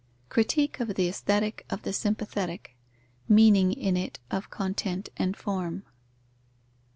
_Critique of the Aesthetic of the sympathetic. Meaning in it of content and form.